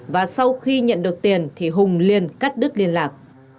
và sau khi nhận được tiền thì hùng liên cắt đứt liên lạc